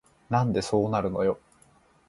なんでそうなるのよ